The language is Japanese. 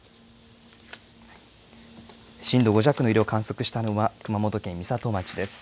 震度５弱の揺れを観測したのは熊本県美里町です。